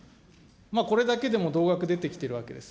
これだけでも同額出てきているわけです。